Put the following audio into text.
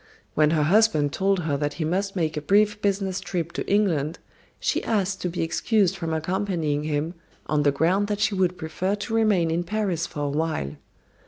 When her husband told her that he must make a brief business trip to England she asked to be excused from accompanying him on the ground that she would prefer to remain in Paris for a while.